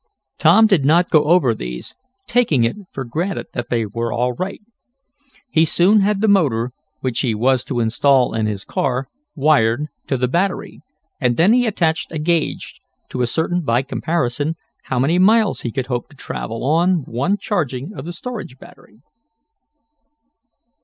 Tom did not go over these, taking it for granted that they were all right. He soon had the motor, which he was to install in his car, wired to the battery, and then he attached a gauge, to ascertain, by comparison, how many miles he could hope to travel on one charging of the storage battery.